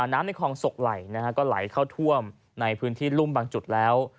ในคลองศกไหล่ก็ไหลเข้าท่วมในพื้นที่รุ่มบางจุดแล้ว